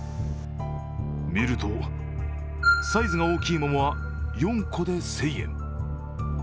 見ると、サイズが大きい桃は４個で１０００円。